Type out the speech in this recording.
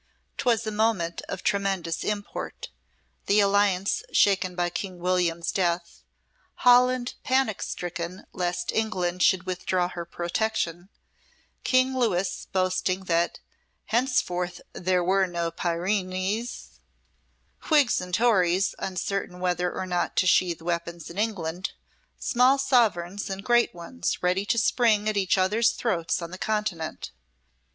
'Twas a moment of tremendous import the Alliance shaken by King William's death, Holland panic stricken lest England should withdraw her protection, King Louis boasting that "henceforth there were no Pyrenees," Whigs and Tories uncertain whether or not to sheath weapons in England, small sovereigns and great ones ready to spring at each other's throats on the Continent.